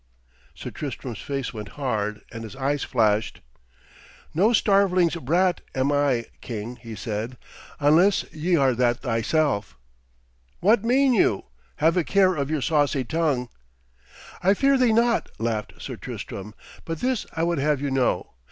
Sir Tristram's face went hard and his eyes flashed. 'No starveling's brat am I, king,' he said, 'unless ye are that thyself.' 'What mean you? Have a care of your saucy tongue.' 'I fear thee not,' laughed Sir Tristram, 'but this I would have you know.